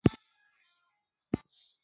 د بغلان په دوشي کې څه شی شته؟